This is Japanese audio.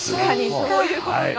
そういうことか。